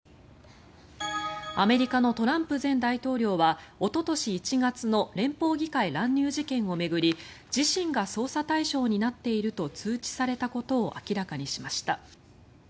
アメリカのトランプ前大統領はおととし１月の連邦議会乱入事件を巡り自身が捜査対象になっていると通知されたことを明らかにしました。